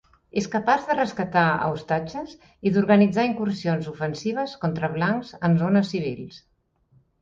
És capaç de rescatar a ostatges i d'organitzar incursions ofensives contra blancs en zones civils.